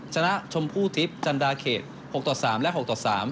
ชมพู่ทิพย์จันดาเขต๖ต่อ๓และ๖ต่อ๓